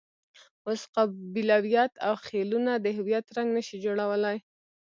اوس قبیلویت او خېلونه د هویت رنګ نه شي جوړولای.